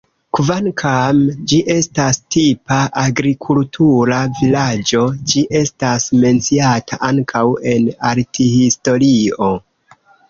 Kvankam ĝi estas tipa agrikultura vilaĝo, ĝi estas menciata ankaŭ en arthistorio.